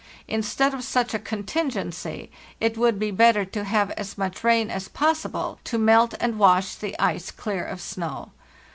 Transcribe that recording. Instead of such a con tingency, it would be better to have as much rain as pos sible, to melt and wash the ice clear of snow.